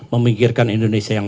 memikirkan indonesia yang